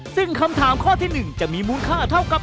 ซึ่งคำถามข้อที่๑จะมีมูลค่าเท่ากับ